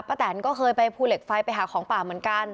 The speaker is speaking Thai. แตนก็เคยไปภูเหล็กไฟไปหาของป่าเหมือนกัน